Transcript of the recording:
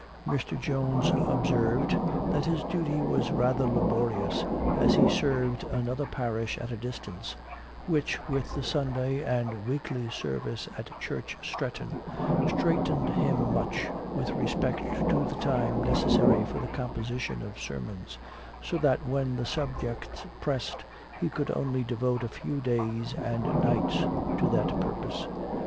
Mr. Jones observed, that his duty was rather laborious, as he served another parish church at a distance; which, with the Sunday and weekly service at Church Stretton, straitened him much with respect to the time necessary for the composition of sermons; so that when the subjects pressed, he could only devote a few days and nights to that purpose.